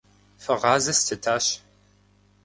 Фэгъазэ стетащ.